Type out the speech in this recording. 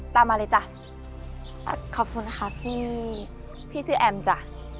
ตามมาเลยจ้ะขอบคุณนะคะพี่พี่ชื่อแอมจ้ะ